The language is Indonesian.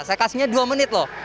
saya kasihnya dua menit loh